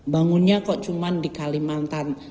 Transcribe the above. bangunnya kok cuma di kalimantan